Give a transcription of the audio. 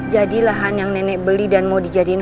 jadi lahan yang nenek beli dan mau dijadikan